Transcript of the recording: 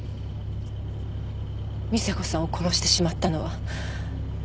美砂子さんを殺してしまったのは。